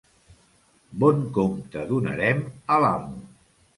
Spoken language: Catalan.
Bon compte donarem a l'amo.